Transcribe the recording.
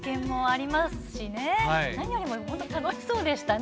何よりも楽しそうでしたね。